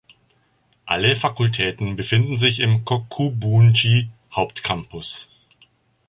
Alle Fakultäten befinden sich im Kokubunji-Hauptcampus.